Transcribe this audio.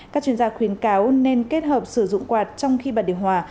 các chuyên gia khuyến cáo nên kết hợp sử dụng quạt trong khi bạt điều hòa